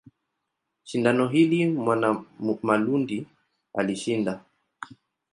Shindano hili Mwanamalundi alishinda.